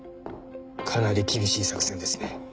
かなり厳しい作戦ですね。